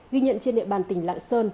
ghi nhận trên địa bàn tỉnh lạng sơn